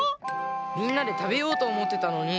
みんなでたべようとおもってたのに。